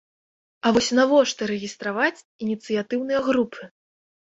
А вось навошта рэгістраваць ініцыятыўныя групы!?